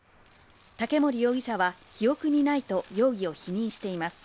竹森容疑者は記憶にないと容疑を否認しています。